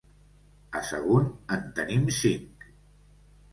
A Sagunt en tenim cinc.